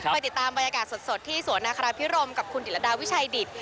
ไปติดตามบรรยากาศสดที่สวนนาคาราพิรมกับคุณดิรดาวิชัยดิต